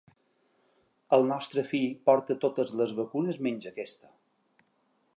El nostre fill porta totes les vacunes menys aquesta.